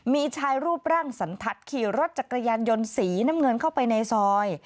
มีชายรูปร่างสันทัศน์ขี่รถจักรยานยนต์สีน้ำเงินเข้าไปในซอย